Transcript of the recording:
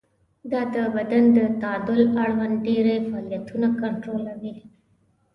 دا د بدن د تعادل اړوند ډېری فعالیتونه کنټرولوي.